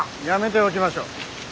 やめておきましょう。